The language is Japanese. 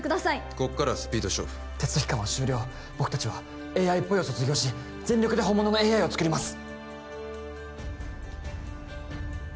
ここからはスピード勝負テスト期間は終了僕達は「ＡＩっぽい」を卒業し全力で本物のＡＩを作ります